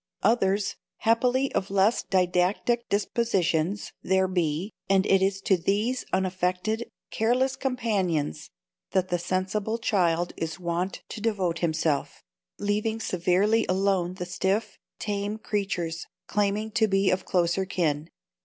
Others—happily of less didactic dispositions—there be; and it is to these unaffected, careless companions that the sensible child is wont to devote himself; leaving severely alone the stiff, tame creatures claiming to be of closer kin.